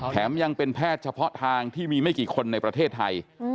ยังเป็นแพทย์เฉพาะทางที่มีไม่กี่คนในประเทศไทย